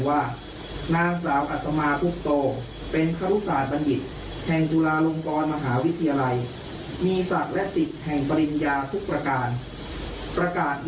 อาจารย์ดรบัณฑิตเกือบอาพรอาธิการบะหิน